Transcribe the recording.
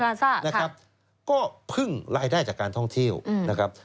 คอปปิ้งพลาซ่านะครับก็พึ่งรายได้จากการท่องเที่ยวอืมนะครับ